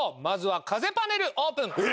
まずは風パネルオープン。